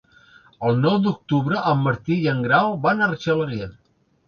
El nou d'octubre en Martí i en Grau van a Argelaguer.